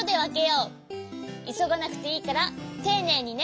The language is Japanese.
いそがなくていいからていねいにね。